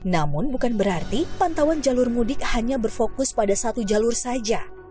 namun bukan berarti pantauan jalur mudik hanya berfokus pada satu jalur saja